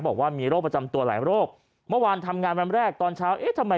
บอกว่ามีโรคประจำตัวหลายโรคเมื่อวานทำงานวันแรกตอนเช้าเอ๊ะทำไม